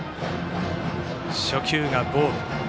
初球はボール。